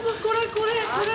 これこれ！